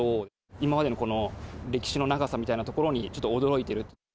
今までのこの歴史の長さみたいなところにちょっと驚いている。